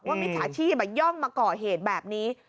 มิจฉาชีพย่องมาก่อเหตุแบบนี้